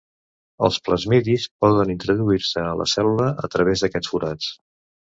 Els plasmidis poden introduir-se a la cèl·lula a través d'aquests forats.